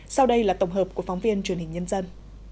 sau đây là tổng hợp của phóng viên truyền hình nhân dân